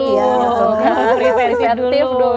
sun cream terisi aktif dulu